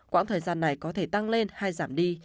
quãng thời gian này có thể tăng lên hay giảm đi